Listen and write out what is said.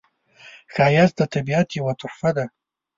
ښایست د طبیعت یوه تحفه ده